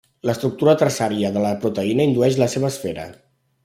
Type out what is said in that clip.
L'estructura terciària de la proteïna indueix la seva esfera.